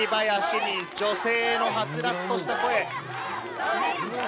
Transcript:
祭囃子に女性のはつらつとした声。